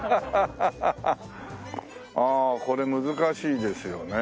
ああこれ難しいですよね。